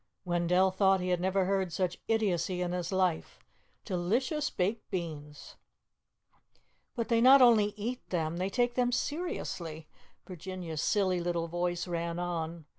Wendell thought he had never heard such idiocy in his life. Delicious baked beans! "But they not only eat them they take them seriously," Virginia's silly little voice ran on.